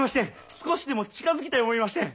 少しでも近づきたい思いましてん。